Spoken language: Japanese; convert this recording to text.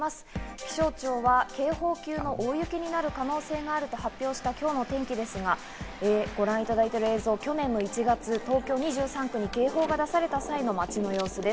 気象庁は警報級の大雪になる可能性があると発表した今日の天気ですが、こちらは去年１月、東京２３区に警報が出された時の街の様子です。